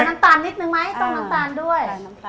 น้ำตาลด้วย